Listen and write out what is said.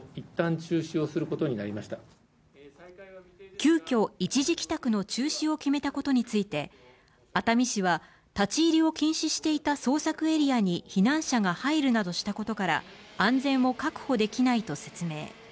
急きょ一時帰宅の中止を決めたことについて、熱海市は立ち入りを禁止していた捜索エリアに避難者が入るなどしたことから、安全を確保できないと説明。